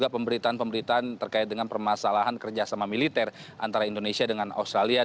pemberitaan pemberitaan terkait dengan permasalahan kerjasama militer antara indonesia dengan australia